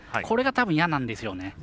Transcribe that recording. これがたぶん嫌なんですよね。